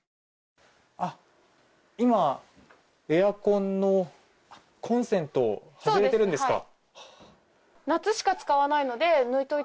今、エアコンのコンセント外れてるんですか。